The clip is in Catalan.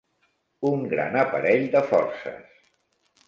Un gran aparell de forces.